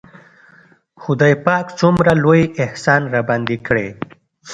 خداى پاک څومره لوى احسان راباندې کړى.